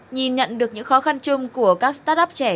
nhìn nhận được những khó khăn chung của các startup trẻ